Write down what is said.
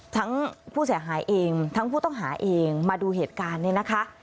ทั้งผู้เสียหายเองทั้งผู้ต้องหาเองมาดูเหตุการณ์เนี่ยนะคะ